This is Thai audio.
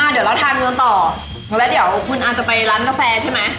เดี๋ยวเราทานกันต่อแล้วเดี๋ยวคุณอาจจะไปร้านกาแฟใช่ไหม